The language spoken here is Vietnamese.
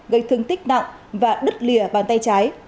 gây thương tích nặng và đứt lìa bàn tay trái